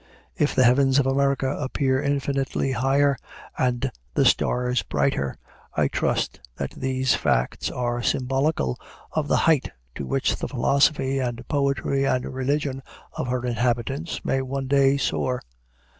If the heavens of America appear infinitely higher, and the stars brighter, I trust that these facts are symbolical of the height to which the philosophy and poetry and religion of her inhabitants may one day soar.